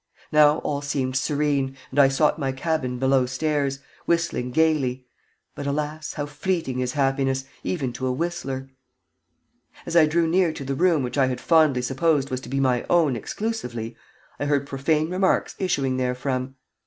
Now all seemed serene, and I sought my cabin belowstairs, whistling gayly; but, alas! how fleeting is happiness, even to a whistler! As I drew near to the room which I had fondly supposed was to be my own exclusively I heard profane remarks issuing therefrom.